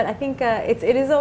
tapi saya pikir ini selalu